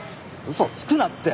嘘つくなって。